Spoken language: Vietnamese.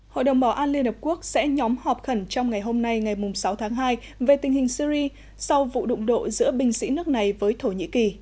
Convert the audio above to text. hội đồng bảo an liên hợp quốc sẽ nhóm họp khẩn trong ngày hôm nay ngày sáu tháng hai về tình hình syri sau vụ đụng độ giữa binh sĩ nước này với thổ nhĩ kỳ